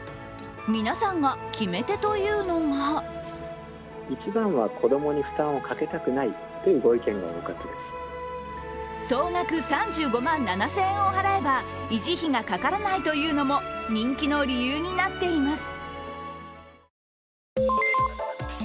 皆さんが決め手というのが総額３５万７０００円を払えば維持費がかからないというのも人気の理由になっています。